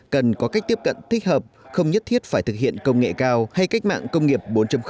cần có cách tiếp cận thích hợp không nhất thiết phải thực hiện công nghệ cao hay cách mạng công nghiệp bốn